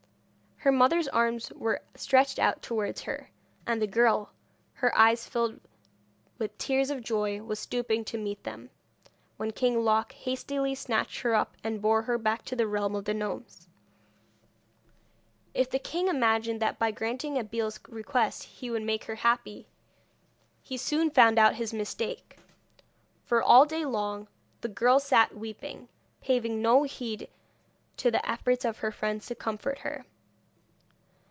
Her mother's arms were stretched out towards her, and the girl, her eyes filled with tears of joy, was stooping to meet them, when King Loc hastily snatched her up, and bore her back to the realm of the gnomes. If the king imagined that by granting Abeille's request he would make her happy, he soon found out his mistake, for all day long the girl sat weeping, paving no heed to the efforts of her friends to comfort her.